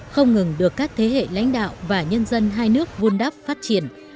không ngừng được các thế hệ lãnh đạo và nhân dân hai nước vun đắp phát triển